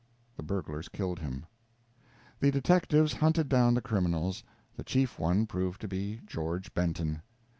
The burglars killed him. The detectives hunted down the criminals; the chief one proved to be George Benton.